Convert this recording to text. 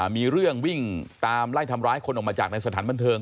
มีเรื่องวิ่งตามไล่ทำร้ายคนออกมาจากในสถานบันเทิง